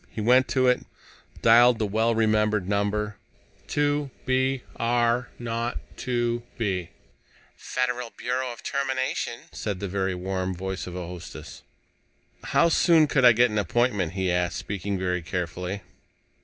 He went to it, dialed the well remembered number: "2 B R 0 2 B." "Federal Bureau of Termination," said the very warm voice of a hostess. "How soon could I get an appointment?" he asked, speaking very carefully.